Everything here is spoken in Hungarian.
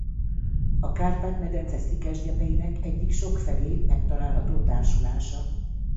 A Kárpát-medence szikes gyepeinek egyik sokfelé megtalálható társulása.